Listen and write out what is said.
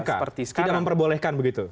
tetap putusan mk tidak memperbolehkan begitu